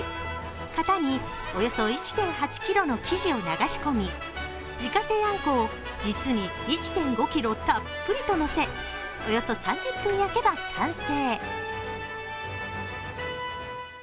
型におよそ１．８ｋｇの生地を流し込み自家製あんこを実に１．５ｋｇたっぷりとのせおよそ３０分焼けば完成。